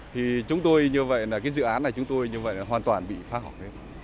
thì chúng tôi như vậy là cái dự án này chúng tôi như vậy là hoàn toàn bị phá hỏng